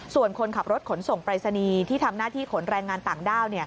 ส่วนคนขับรถขนส่งปรายศนีย์ที่ทำหน้าที่ขนแรงงานต่างด้าว